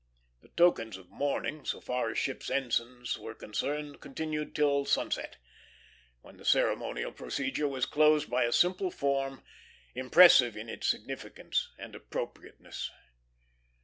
The tokens of mourning, so far as ships' ensigns were concerned, continued till sunset, when the ceremonial procedure was closed by a simple form, impressive in its significance and appropriateness.